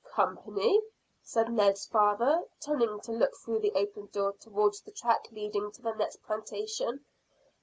"Company?" said Ned's father, turning to look through the open door towards the track leading to the next plantation.